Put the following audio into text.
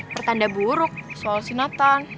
pertanda buruk soal si nathan